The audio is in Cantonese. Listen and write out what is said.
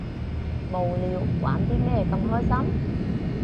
無聊，玩啲咩咁開心？